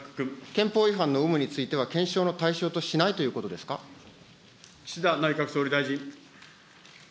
憲法違反の有無については、検証の対象としないということで岸田内閣総理大臣。